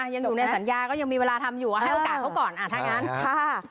ยังอยู่ในสัญญาก็ยังมีเวลาทำอยู่ให้โอกาสเขาก่อนถ้างั้นค่ะ